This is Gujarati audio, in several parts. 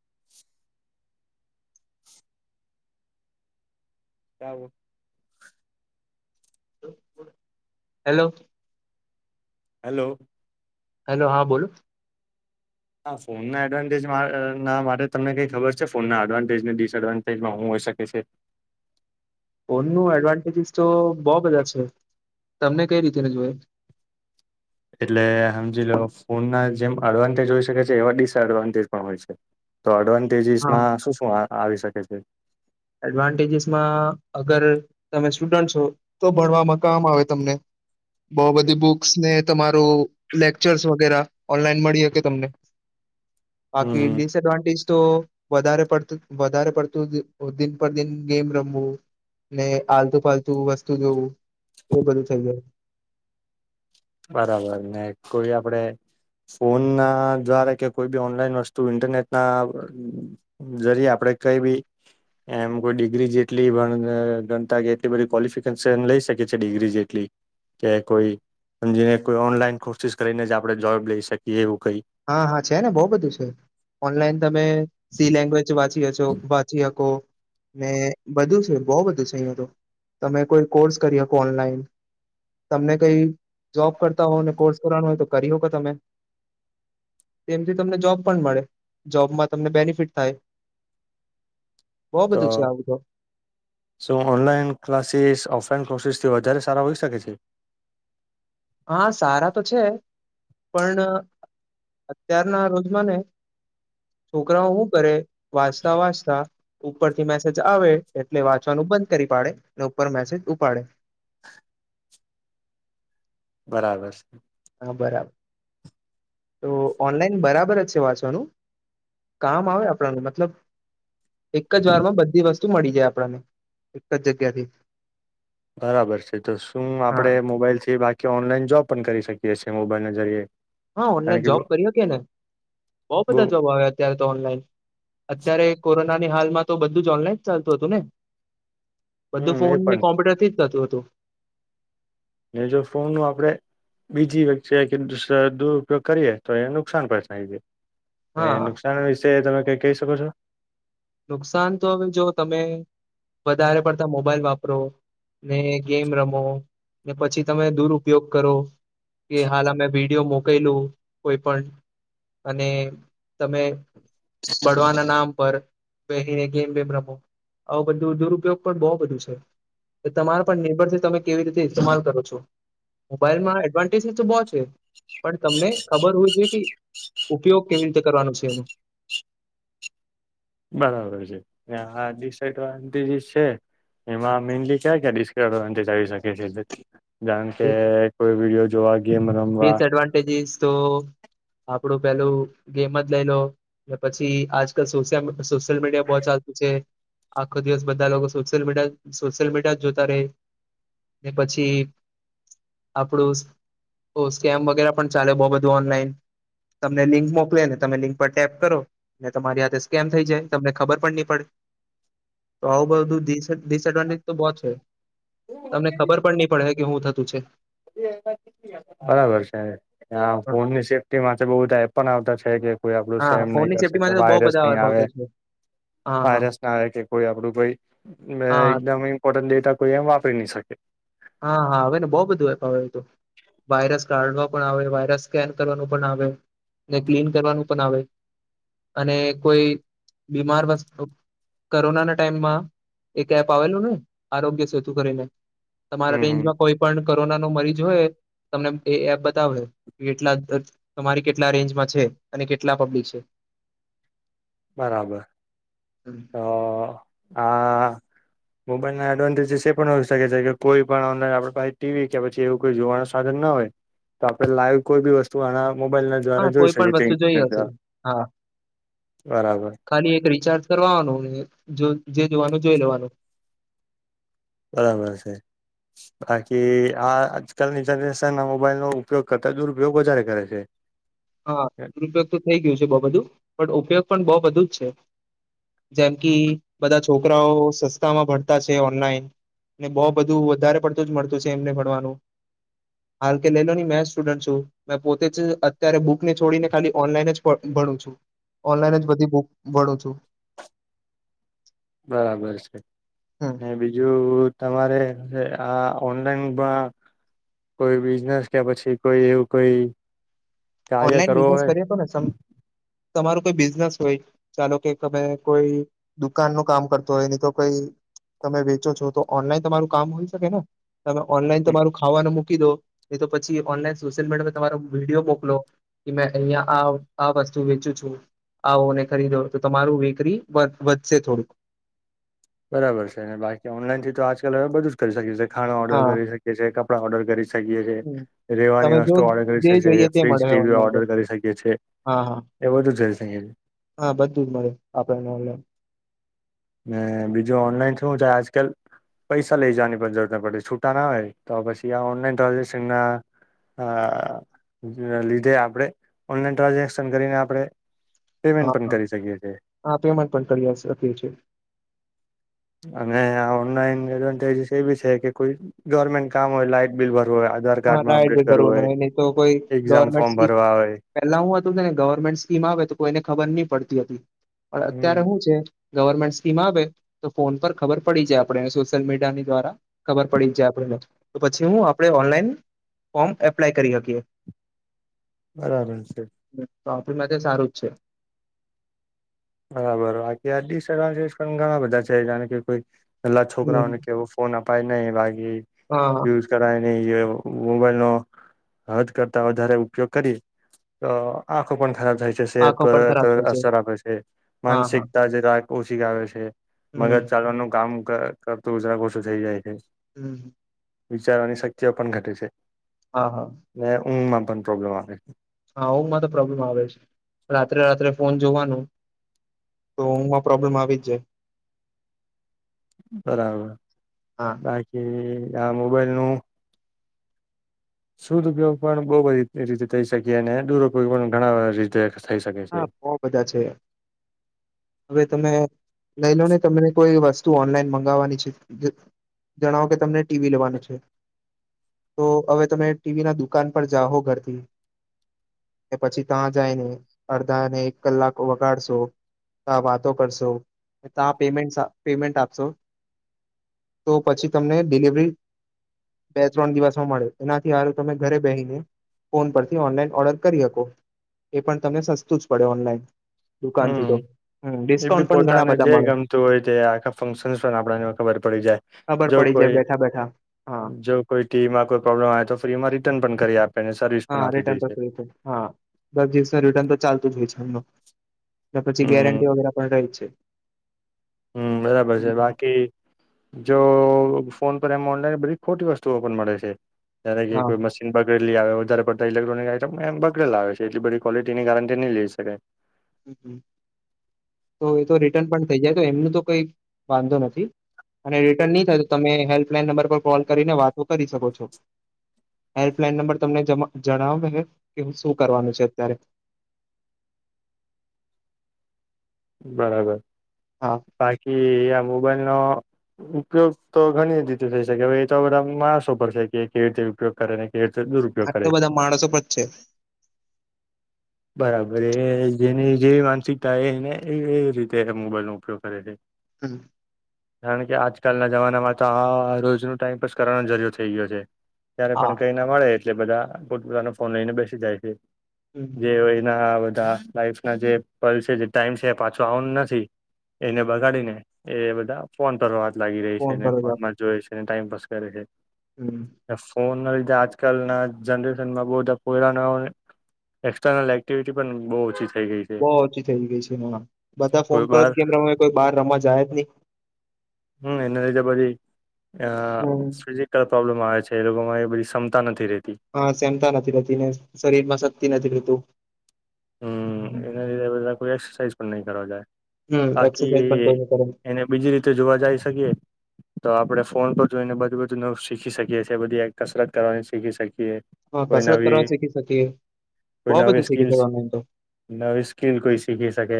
[unintelligible] [unintelligible] [unintelligible] હેલો, હેલો હેલો હા બોલો હા ફોનના એડવાન્ટેજ ના માટે તમને કઈ ખબર છે, ફોનના એડવાન્ટેજને ડિસએડવાન્ટેજમાં હું હોઈ શકે છે? ઓનું એડવાન્ટેજસ તો બો બધા છે તમને કઈ રીતેને જોયે એટલે સમજી લો ફોન ના જેમ અડવાન્ટેજ હોઈ શકે છે એવા ડિસએડવાન્ટેજ પણ હોય છે તો એડ હા ડઝસમાં શું શુ આવી શકે છે એડવાન્ટેજીસમાં અગર તમે સ્ટુડન્ટ છો તો ભણવામાં કામ આવે તમને બો બધી બુક્સ ને તમારું લેક્ચર્સ વગેરે ઓનલાઈન મળી હકે તમને હમ બાકી હમ ડીસએડવાન્ટીજ તો વધારે પડતું વધારે પડતું દિન પર દિન ગેમ રમવું ને આલતુ ફાલતું વસ્તુ જોવું એ બધું થઇ જાય બરાબર ને કોઈ આપણેે ફોન ના દ્વારા કે કોઈ બી ઓનલાઈન વસ્તુ ઇન્ટરનેટ ના જરીય આપણે કઈ બી એમ કોઈ ડિગ્રી જેટલી ગણતા કે એટલી બધ ક્લિફિકેશન લઈ શકી છે ડિગ્રી જેટલી કે કોઈ સમજીને કોઈ ઓનલાઈન કોર્સિસ કરીને જ આપણે જોબ લઈ શકીએ એવું કઈ હા હા છે ને બો બધું છે ઓનલાઈન તમે સી લેંગ્વેજ વાંચ ખી છો વાચી શકો ને બધું છે બો બધું છે અહીયા તો તમે કોઈ કોર્સ કરી હકો ઓનલાઈન તમને કઈ જોબ કરતા હો ને કોર્સ કરવાનો હોય તો કરી હ કો તમે તેમમથી તમને જોબ પણ મળે જોબમાં તમને બેનિફિટ થાય બહુ તો બધું છે આવું તો શુ ઓનલાઈન ક્લાસીસ ઓફ કોશિસ થી વધારે સારા હોઈ શકે છે હા સારા તો છે પણ અત્યારના રોજમાં ને છોકરાઓ હું કરે વાંચતા વાંચતા ઉપરથી મેસેજ આવે એટલે વાંચવાનું બંધ કરી પાડે અને ઉપર મેસેજ ઉપાડે બરાબર છે હા બરાબર તો ઓનલાઈન બરાબર જ છે વાંચવાનું કામ આવે આપણને મતલબ એક જ વાર માં બધી વસ્તુ ધુ મળી જાય આપણને એક જ જગ્યા થી બરાબર છે તો શું હા આપડે મોબાઈલ થી બાકી ઓનલાઈન જોબ પણ કરી શકીએ છીએ મોબાઈલ ના જરીએ હા કારણ ઓનલાઈન કે જોબ કરી હક્યે ને બઉ બહુ બધા જોબ આવ અત્યારે તો ઓનલાઈન અત્યારે કોરોના હાલમાં તો બધું જ ઓનલાઈન ચાલતું હતું ને બધું હમ એ ફોન પણ ને છે. કોમ્પ્યુટર થી જ થતું હતું ને જો ફોન ન આપણે બીજી વખતે કે દુરપયોગ કરીએ તો એને નુકસાન પણ થાઈ જે એ હા નુકસાન વિશે તમે ક કહી શકો છો નુકસાન તો હવે જો તમે વધારે પડતા મોબાઈલ વાપરો ને ગેમ રમો ને પછી તમે દુરપયોગ કરો કે હાલ અમે વિડીયો મોક ગઈલું કોઈ પણ અને તમે બળવાના નામ પર [unintelligible] ગેમ-વેમ રમો આ બધું દુરુપયોગ પણ બહુ બધું છે તમારા પર નિર્ભરથી તમે કેવી રીતે ઇતેમાલ કરો છો. મોબાઈલમાં એડવાન્ટેજ તો બો છે પણ તમને ખબર હોવી જોઈએ કે ઉપયોગ કેવી રીતે કરવાનો છે. બરાબર છે આ ડિસએડવાન્ટેજસ છે એમાં મેનલી ક્યા ક્યા ડિસએડવાન્ટેજ? શકે છે કારણ કે કોઈ વિડીયો જોવા ગેમ રમવા ડિસએડવાન્ટેજસ તો આપડું પેલું ગેમ જ લઈ લો પછી આજકાલ સોશ સોશિયલ મીડિયા બહુ ચાલતું છે આખો દિવસ બધા લોકો સોશિયલ મીડિયા સોશિયલ મીડિયા જ જોતા ર રહે ને પછી આપણું તો સ્કેમ વગેરે પણ ચાલે બહુ બધું ઓનલાઈન તમને લિંક મોકલેને તમે લિંક પર ટેપ કરો ને તમારી હાથે સ્કેમ થઈ જાય તમને ખબર પણ નહી પડે તો આવું બધું ડિસએડવાન્ટેજ તો બહ છે તમને ખબર પણ નહી પડે કે શું થતું છે બરાબર છે. હા ફોન ની સેફ્ટી બઉુ બધા એ પણ આવતા છે. [unintelligible] કોઈ આપડું હા શેર નહી ફોનની કરશે સેફ્ટી કે માટે તો બહુ વાયરસ બધા નહી એપ આવે આવતા છે હા હા વાયરસ ના આવે કે કોઈ આપડું કોઈ હા એકદમ ઇમ્પોર્ટન્ટ ડેટા કોઈ એમ વાપરી નહી શકે. હા હા હવે તો બો બધું એપ આવ્યું હતું. વાયરસ કાઢવો પણ આવે વાયરસ સ્કેન કરવાનું પણ આવે ને ક્લીન કરવાનું પણ આવે અને કોઈ બીમારતુ કોરોનાના ટાઈમમાં એક એપ આવેલું ને આરોગ્ય સેતુ કરીને. તમારા હમ હમ રેન્જમાં કોઈ પણ કોરોના નો મરીજ હોય તમને એ એપ બતાવે કેટલા તમારી કે કેટલા રેન્જમાં છે અને કેટલા પબ્લિક છે. બરાબર તો હા મોબાઈલ ના એડવાન્ટેજસ એ પણ હો શકે છે કે કોઈ પણ ઓનલઈન આપડા પાસે ટીવી કે પછી એવું કોઈ જોવાનું સાધન ના હોય તો આપડે લાઈવ કોઈ બી વસ્તુ આના મોબાઈલ ના હા દ્વારા જોઈ કોઈ શકે પણ છે. વસ્તુ જોઈ હશે હા ખાલી એક રિચાર્જ કરવાનું જે જોવાનું જોઈ લેવાનું. બરાબર છે બાકી આ આજકાલની જનરેશન મોબાઈલ નો ઉપયોગ કરતા દુરુપયોગ વધારે કરે છે. હા દુરુપયોગ તો થઈ ગયું છે બો બધું પણ ઉપયોગ પણ બો બધું જ છે જેમકી બધા છોકરાઓ સસ્તામાં ભણતા છે ઓનલાઈન ને બો બધું વધારે પડતું જ મળતું છે એમને ભણવાનું હાલ કે લેલો મે સ્ટુડન્ટ છું મે પોતે જ ત્યારે બુક ને છોડીને ખાલી ઓનલાઈન જ ભણું છું. ઓનલાઈન જ બધી બુક બડો છો. બરાબર છે. હમ ને બીજું તમારે આ ઓનલાઈનમાં કોઈ બિઝનેસ કે પછી કોઈ એવું કોઈ કાર્ય ઓનલાઈન કરવો બિઝનેસ હોય કરીએ તો ને સમ તમારું કોઈ બિઝનેસ હોય ચાલો કે તમે કોઈ દુકાન નું કામ કરતો હોય તો કોઈ તમે વેચો છો તો ઓનલાઈન તમારું કામ હોય શકે ને તમે ઓનલાઈન તમા મારું ખવાનું મ મ દો પછી ઓનલાઈન સોશિયલ મીડિયામાં તમારો વિડીયો મોકલો કે મે અહીિયાંયા આ વસ્તુ વેચું છું આવોને ખરીદો તો તમારું વકરી વધશે થોડુંક બરાબર છેને બાકી ઓનલાઈન થી તો આજકાલ હવે બધું જ કરી શક્યું છે ખાણ ઓર્ડર હા કરી શકીએીએ આપ ઓર્ડર કરી છે હમ તમે રેવાની જો વસ્તુ ઓર્ડર કરી જે જોઈએ શ તે ફ્રીજ મળે છે ટીવી ઓનલાઈન તો ઓર્ડર કરી શકીી હા હા એ બધું જઈ શ હા બધું જ મળે આપણને ઓનલાઈન અને બીજું ઓનલાઈન શું થાય આજકાલ પૈસા લઈ જવાની પણ જરૂરત પડતી છૂટા ના હોય તો પછી આ ઓનલાઈન ટ્રાન્ઝેક્શન ના લીધે આપણે ઓનલાઈન ટ્રાન્ઝેક્શન કરીને આપણે હા પેમેન્ટ પણ હા કરી શકીએ છીએ હા પેમેન્ટ પણ કરીએ છીએ અને ઓનલાઈનડવાસ એી છે કે કોઈ ગવર્મેન્ટ કામ હોય લાાઈટ બિલ ભરવું હોય આધાર હા કાર્ડમાં ના અપડેટ કરવું ઘરવું હોય ન નહી તો કોઈ એક્ઝામ ગવર્મેન્ટ ફોર્મ સ્કીમ ભરવા આવે પેલા હું ને ગવર્મેન્ટ સ્કીમ આવે તો કોઈ એને ખબર નહી પડતી હતી પણ અત્યારે હમ હું છે ગવર્મેન્ટ સ્કીમ આવે તો ફોન પર ખબર પડી જાય આપને સોશિયલ મીડિયાની દ્વારા ખબર પડી જ જાય આપને તો પછી હું આપણે ઓનલાઈન ફોર્મ એપ્લાય કરી શકીએ બરાબર છે તો આપણી માટે સારું જ છે બરાબર બાકી આ [unintelligible] ઘણા બધા છે કારણ કે કોઈ એલા હમ છોકરાઓ કેવું ફોન આપ [unintelligible] નઈ ભાઈ એ હા યુઝ કર મોબાઈલ નો હદ કરતા વધારે ઉપયોગ કરીએ તો આંખો પણ ખરાબ થાય છે સેહત આંખો પણ ખરાબ પર થાય અસર આપે છે હા હા માનસિકતા જે રા ઓછી આવે છે હમ મગજ ચાલવાનું કામ કરતો ઓછો થઈ જાય છે હમ વિચારવાની શક્તિઓ પણ ઘટે છે હા હા એ હમ પણ પ્રોબ્લેમ આવે હા ઊંઘમાં તો પ્રોબ્લેમ આવે જ રાત્રે-રાત્રે ફોન જોવાનું તો ઊંઘમાં પ્રોબ્લેમ આવી જ જાય બરાબર હા બાકી ત્યાં મોબાઈલ નું શુધ્ધ ઉપયોગ પણ બહું બધી એ રીતે થઈ શકી અને દુરુપયોગ પણ ઘણા બધા રીતે થઈ શકે હા છે. બહું બધા છે હવે તમે લઈ લો ને તમને કોઈ વસ્તુ તુ ઓનલાઈન મંગાવવાની છે હુ જણાવો કે તમને ટીવી લેવાનું છે તો હવે તમે ટીવી ના દુકાન પર જાઓ ઘરથી કે પછી ત્યાં જાય ને અડધા અને એક કલાકો વગાડશો કા વાતો કરશો કા પેમેન્ટ પેમેન્ટ આપશો તો પછી તમને ડિલિવરી બે-ત્રણ દિવસમાં મળે એનાથી હારું તમે ઘરે બેહીને ફોન પરથી ઓનલાઈન ઓર્ડર કરી શકો એ પણ તમને સસ્તું જ પડે ઓનલાઈન દુકાનથી હમ તો હમ એ બી ડિસ્કાઉન્ટ પણ ઘણા પોતાને બધા જે મળે ગમતું હોય તે આખા ફંક્શનસ પણ આપનને ખબર પડી જાય ખબર જો પડી જાય કોઈ બેઠા બેઠા હા જો કોઈ ટીમમાં કોઈ પ્રોબ્લેમ આવે તો ફ્રી માં રિટર્ન પણ કરી આપે ને સર્વિસ પણ હા આપી દે રિટર્ન તો છે. [inaudible] હા દસ દિવસનું રિટર્ન તો ચાલતું જ હોય છે એમનું કે પછી હમ ગેરંટી વગેરે પણ રહી છે હમ બરાબર છે હમ, બાકી જો ફોન પર એમ ઓનલાઈન બધી ખોટી વસ્તુઓ મળે છે એને કે હા કોઈ મશીન [unintelligible] એ આવે વધારે પડતા ઇલેક્ટ્રોનિક આઈટમ બગડેલા આવે છે એટ બધી ક્વલિટીની ગારં નહીઈ લઈ શકે હમ. તો એ તો રિટર્ન પણ થઈ જાય તો એમનું તો કઈ વાંધો નથી અને રિટર્ન નહી થાય તો તમે હેલ્પલાન નંબર પર કોલ કરીને વાતો કરી શકો છો હેલ્પલાઈન નંબર તમને જણાવે કે શું કરવાનું છે અત્યારે બરાબર હા બાકી આ મોબાઈલ નો ઉપયોગ તો ઘણી રીતે થઈ શકે હવે એ તો બધા માણસો પ છે કે કેવી રીતે ઉપયોગ કરે ને એ તો આ દુરુપયોગ કરે તો છે બધા માણસો પર જ છે બરાબર જેની જે માનસિકતાાય એને એ એ રીતે મોબાઈલનો ઉપયોગ કરે છે હમ કારણ કે આજકાલના જમાનામાં તો આ રોજનો ટાઈઇમપ કરવાનો જરૂર થઈ ગયો છે ત્યારે હા પણ કઈ ના મળે એટલે બધા પોતપતાનો ફોન લઈને બેસી જાય છે હમ જે હો એ નાઆવે લાઈફ ના જે પ છે જે ટાઈમ છે પાછો આવનું નથી એને બગાડીને એ બધા ફોન કરવા લાગી રહી છે ને પર જ ફોન માં જોઈ તેને ટાઈમ પાાસ કરે હે હમ એ ફોન લીધે આજકાલના જનરેશનમાં બહુ બધા પોરા એક્ર્નલ એક્ટિવિટી પણ બહુ ઓછી થઈ ગઈ છે બવ ઓછી થઇ ગઈ છે. હા બધા ફોન કોઈ પર જ બાર કેમેરામાં કોઈ બાર રમવા જાય જ નહી. હમ્મ, એને [unintelligible] આ હમ શ્રીજી કા પ્રોબ્લેમ આવે છે એ લોકોમાં એ બધી ક્ષમતા નથી રેતી. હા સેમતા નથી રહેતી ને શરીરમાં સ એ નથી રેતું. હમ્મ, એના લીધે બધા કોઈ એક્સરસાઇઝ પણ નહી કરવા જાય હમ બાકી એક્સરસાઇઝ પણ કોઈ કરે એને બીજી રીતે જોવા જાય શકીએ તો આપડે ફોન પર જોઈને બધું બધું ન શીખી શકીએ છીએ, બધી એક કસરત કરવાની શીખી શકીએ. હા કોઈ કસરત નવી કરવા શીખી શકીએ કોઈ બઉ નવી બધું શીખી સ્કીલ્સ શક નવી સ્કીલ કોઈ શીખી શકે,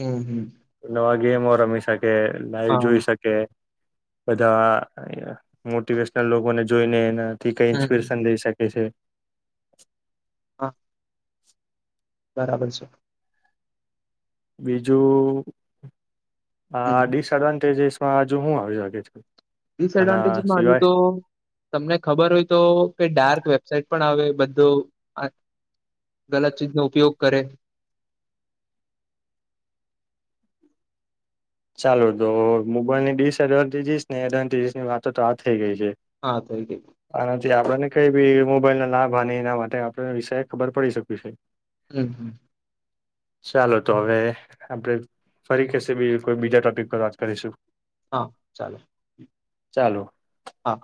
હમ હમ નવા ગેમો રમી શકે, લાઈવ હા જોઈ શકે બધા મોટિવેશનલ લોકોને જોઈને એના થી કઈ હમ ઈસ્પ્રેશન લઈ શ એ છે. હા. બરાબર છે. બીજું હમ હા ડિસડવાન્ટેજીસ પણ આજુ હું આવી વાગે છે. આના ડિસએડવાન્ટેજમાં હજુ સિવાય તો તમને ખબર હોય તો કે ડાર્ક વ ટ પણ આવે બધું ગલત ચીજનો ઉપયોગ કરે. ચાલો તો મોબાઈલ ની ડીસએડવાન્ટેજીસ ને એડવાન્ટેસની વાતો તો આ થઇ ગઈ છે. હા થઈ ગઈ. આનાથી આપણને કઈ બી મોબાઈલ ના લાભ એના માટે આપ વિષય ખબર પડી શકી છે. હમ્મ હમ્મ. ચાલો તો હવે આપડે ફરી કશે બી કોઈ બીજા ટોપિક પર વાત કરીશું. હા ચાલે. ચાલો. હા.